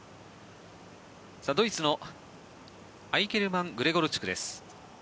ドイツのアイケルマン・グレゴルチュクです。